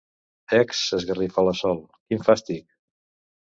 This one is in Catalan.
Ecs! —s'esgarrifa la Sol— Quin fàstic!